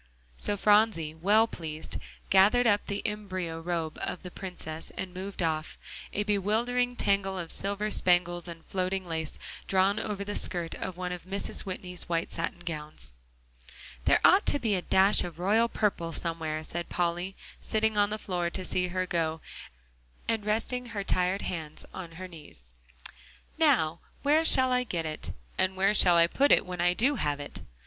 So Phronsie, well pleased, gathered up the embyro robe of the Princess and moved off, a bewildering tangle of silver spangles and floating lace, drawn over the skirt of one of Mrs. Whitney's white satin gowns. "There ought to be a dash of royal purple somewhere," said Polly, sitting on the floor to see her go, and resting her tired hands on her knees. "Now where shall I get it, and where shall I put it when I do have it?"